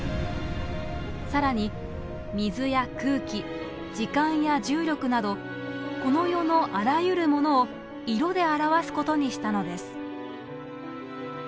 更に水や空気時間や重力などこの世のあらゆるものを色で表すことにしたのです。